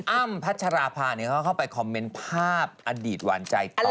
อ้ำพัชราภาเขาเข้าไปคอมเมนต์ภาพอดีตหวานใจต่อ